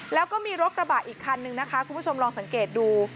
แล้วก็มีรถกระบะอีกคันนึงนะคะคุณผู้ชมลองสังเกตดู